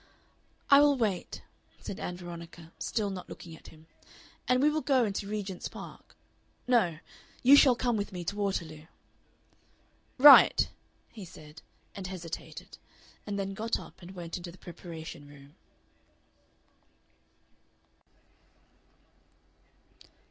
"I will wait," said Ann Veronica, still not looking at him, "and we will go into Regent's Park. No you shall come with me to Waterloo." "Right!" he said, and hesitated, and then got up and went into the preparation room.